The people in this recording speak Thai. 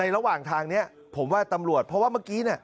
ระหว่างทางนี้ผมว่าตำรวจเพราะว่าเมื่อกี้